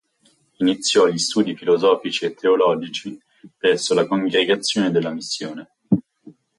Iniziò gli studi filosofici e teologici presso la Congregazione della Missione.